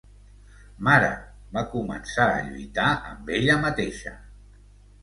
"Mare!" Va començar a lluitar amb ella mateixa.